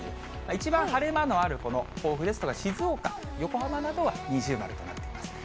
一番晴れ間のある、この甲府ですとか、静岡、横浜などは二重丸となっています。